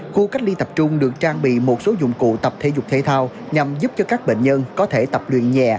khu cách ly tập trung được trang bị một số dụng cụ tập thể dục thể thao nhằm giúp cho các bệnh nhân có thể tập luyện nhẹ